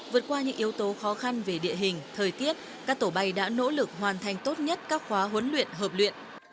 vượt qua những yếu tố khó khăn về địa hình thời tiết các tổ bay đã nỗ lực hoàn thành tốt nhất các khóa huấn luyện hợp luyện